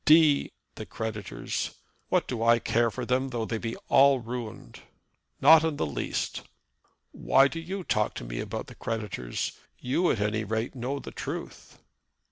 D the creditors! What do I care for them, though they be all ruined?" "Not in the least." "Why do you talk to me about the creditors? You, at any rate, know the truth."